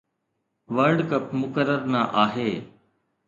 world cup مقرر نه آهي